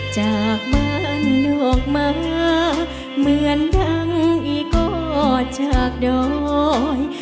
จากบ้านนอกมาเหมือนดังอีกอดจากดอย